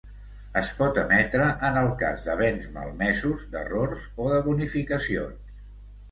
Es pot emetre en el cas de béns malmesos, d'errors o de bonificacions.